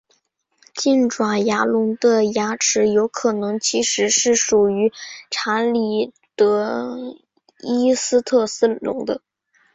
近爪牙龙的牙齿有可能其实是属于理查德伊斯特斯龙的。